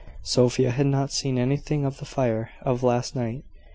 Sophia had not seen anything of the fire of last night.